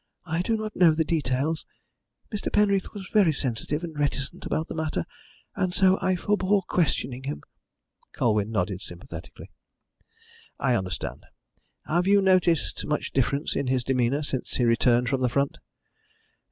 I do not know the details. Mr. Penreath was very sensitive and reticent about the matter, and so I forbore questioning him." Colwyn nodded sympathetically. "I understand. Have you noticed much difference in his demeanour since he returned from the front?"